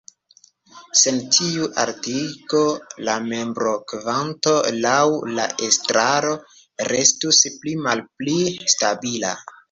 Sen tiu altigo, la membrokvanto laŭ la estraro restus pli-malpli stabila.